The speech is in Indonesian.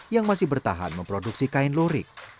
yang masih bertahan memproduksi kain lurik